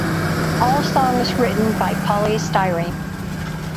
All songs written by Poly Styrene.